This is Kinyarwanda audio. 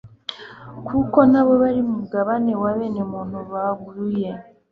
kuko na bo bari mu mugabane wa bene muntu baguye.